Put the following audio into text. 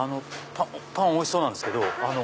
パンおいしそうなんですけど。